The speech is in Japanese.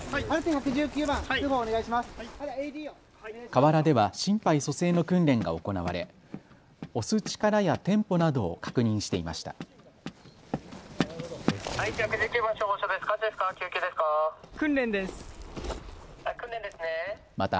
河原では心肺蘇生の訓練が行われ押す力やテンポなどを確認していました。